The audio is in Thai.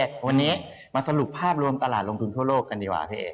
วันนี้มาสรุปภาพรวมตลาดลงทุนทั่วโลกกันดีกว่าพี่เอก